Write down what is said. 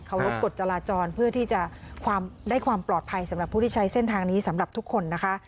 รบกฎจราจรเพื่อที่จะได้ความปลอดภัยสำหรับผู้ที่ใช้เส้นทางนี้สำหรับทุกคนนะคะ